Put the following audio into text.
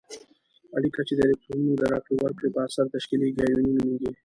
اړیکه چې د الکترونونو د راکړې ورکړې په اثر تشکیلیږي آیوني نومیږي.